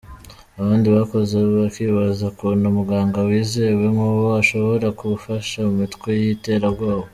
Abandi bakozi bakibaza ukuntu umuganga wizewe nkuwo ashobora kufasha imitwe yiterabwoba.